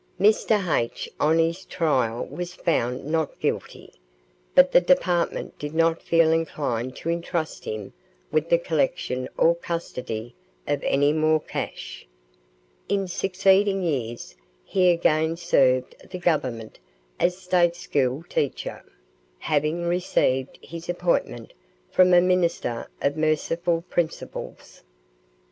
Mr. H. on his trial was found not guilty, but the department did not feel inclined to entrust him with the collection or custody of any more cash. In succeeding years he again served the Government as State school teacher, having received his appointment from a minister of merciful principles.